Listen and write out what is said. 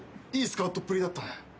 いいスカウトっぷりだったね。